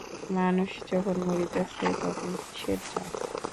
মানুষ যখন মরিতেছে তখন কিসের জাত!